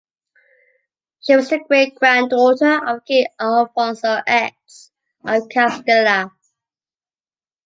She was the great-granddaughter of king Alfonso X of Castilla.